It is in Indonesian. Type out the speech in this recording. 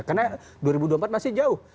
karena dua ribu dua puluh empat masih jauh